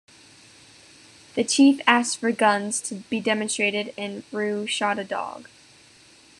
The chief asked for the guns to be demonstrated and Roux shot a dog.